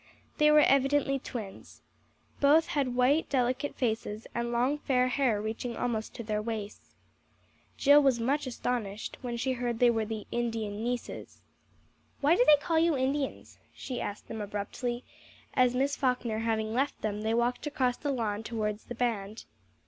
They were evidently twins. Both had white delicate faces and long fair hair reaching almost to their waists. Jill was much astonished when she heard they were the "Indian nieces." "Why do they call you Indians?" she asked them abruptly, as Miss Falkner having left them they walked across the lawn towards the band.